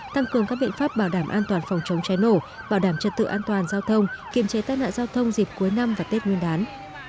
tăng cường các biện pháp bảo đảm an toàn phòng chống cháy nổ bảo đảm trật tự an toàn giao thông kiềm chế tác nạn giao thông dịp cuối năm và tết nguyên đán